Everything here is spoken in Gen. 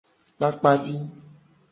Kpakpa vi.